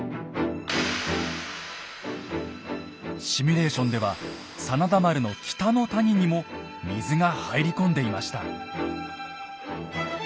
シミュレーションでは真田丸の北の谷にも水が入り込んでいました。